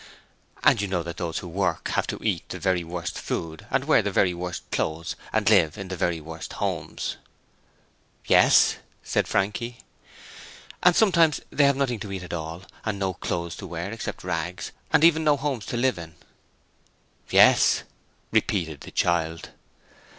'And you know that those who work have to eat the very worst food, and wear the very worst clothes, and live in the very worst homes.' 'Yes,' said Frankie. 'And sometimes they have nothing to eat at all, and no clothes to wear except rags, and even no homes to live in.' 'Yes,' repeated the child.